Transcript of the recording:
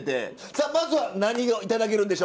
さあまずは何を頂けるんでしょうか？